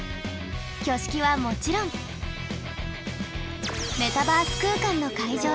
挙式はもちろんメタバース空間の会場で。